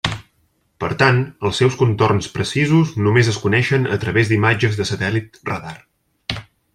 Per tant, els seus contorns precisos només es coneixen a través d'imatges de satèl·lit radar.